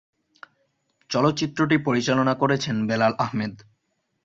চলচ্চিত্রটি পরিচালনা করেছেন বেলাল আহমেদ।